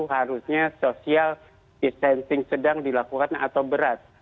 harusnya social distancing sedang dilakukan atau berat